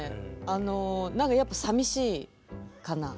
あの何かやっぱ寂しいかな。